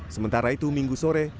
sementara itu minggu sore